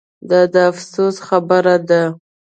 دا د افسوس خبره ده